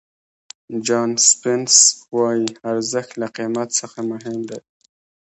جان سپینس وایي ارزښت له قیمت څخه مهم دی.